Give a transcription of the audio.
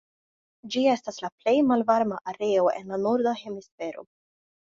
Ĝi estas la plej malvarma areo en la norda hemisfero.